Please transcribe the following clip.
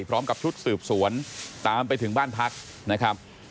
พร้อมกับชุดสืบสวนตามไปถึงบ้านพักนะครับ